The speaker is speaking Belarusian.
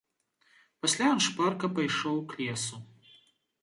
Пасля ён шпарка пайшоў к лесу.